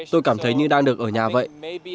tôi cảm thấy như đang được ở nhà vậy